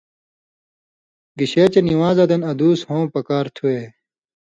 گِشے چے نِوان٘زاں دن ادُوس ہوں پکار تھُوےۡ